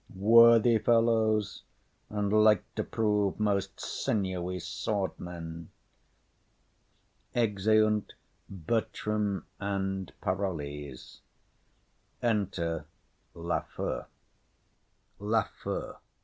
Worthy fellows, and like to prove most sinewy sword men. [Exeunt Bertram and Parolles.] Enter Lafew. LAFEW.